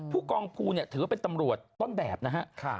ผู้กองภูถือว่าเป็นตำรวจต้นแบบนะฮะ